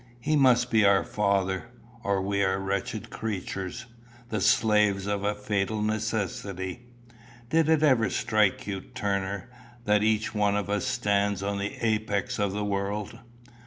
He must be our Father, or we are wretched creatures the slaves of a fatal necessity! Did it ever strike you, Turner, that each one of us stands on the apex of the world?